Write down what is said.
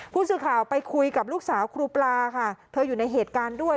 ผู้สื่อข่าวไปคุยกับลูกสาวครูปลาค่ะเธออยู่ในเหตุการณ์ด้วย